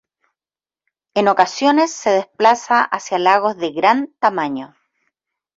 En ocasiones se desplaza hacia lagos de gran tamaño.